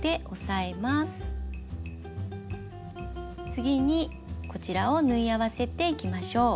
次にこちらを縫い合わせていきましょう。